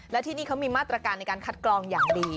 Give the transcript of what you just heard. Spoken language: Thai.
และที่นี่เขามีมาตรการในการคัดกรองอย่างดี